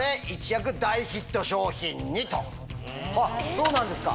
そうなんですか。